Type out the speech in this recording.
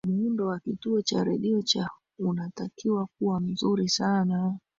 muundo wa kituo cha redio cha unatakiwa kuwa mzuri sana